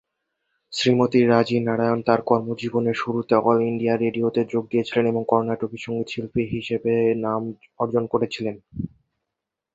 শ্রীমতী রাজী নারায়ণ তাঁর কর্ম জীবনের শুরুতে অল ইন্ডিয়া রেডিওতে যোগ দিয়েছিলেন এবং কর্ণাটকী সংগীতশিল্পী হিসাবে নাম অর্জন করেছিলেন।